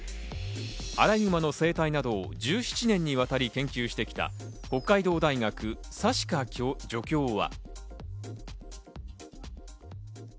アライグマの生態などを１７年にわたり研究してきた北海道大学・佐鹿助教は。